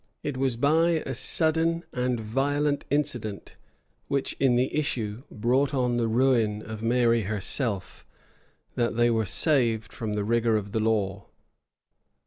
It was by a sudden and violent incident, which, in the issue, brought on the ruin of Mary herself, that they were saved from the rigor of the law.